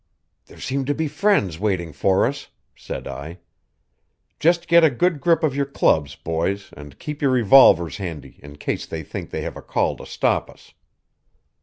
"There seem to be friends waiting for us," said I. "Just get a good grip of your clubs, boys, and keep your revolvers handy in case they think they have a call to stop us."